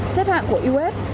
xếp hạng của us